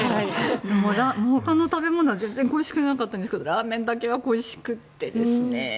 ほかの食べ物は全然恋しくなかったんですがラーメンだけは恋しくってですね。